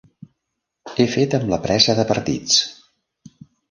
He fet amb la presa de partits.